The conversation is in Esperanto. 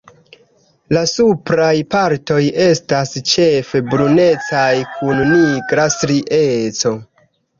La supraj partoj estas ĉefe brunecaj kun nigra strieco.